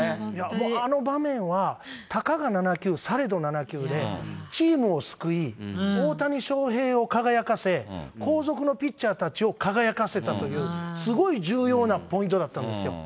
もうあの場面は、たかが７球されど７球で、チームを救い、大谷翔平を輝かせ、後続のピッチャーたちを輝かせたという、すごい重要なポイントだったんですよ。